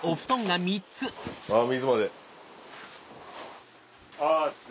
あぁ水まで。